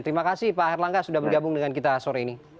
terima kasih pak herlangga sudah bergabung dengan kita sore ini